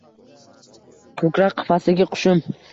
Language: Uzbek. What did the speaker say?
Ko‘krak-qafasdagi — qushim